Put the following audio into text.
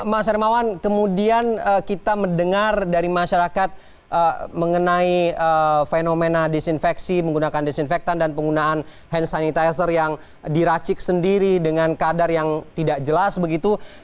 mas hermawan kemudian kita mendengar dari masyarakat mengenai fenomena disinfeksi menggunakan disinfektan dan penggunaan hand sanitizer yang diracik sendiri dengan kadar yang tidak jelas begitu